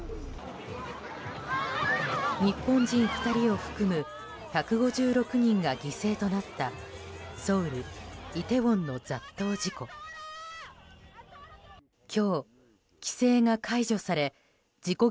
日本人２人を含む１５６人が犠牲となったソウル・イテウォンの雑踏事故。